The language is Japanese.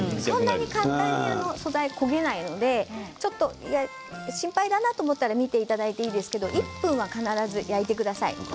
素材は焦げないので心配だと思ったら見ていただいてもいいですけど１分は必ず焼いてください。